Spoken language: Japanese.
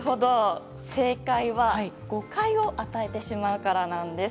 正解は、誤解を与えてしまうからなんです。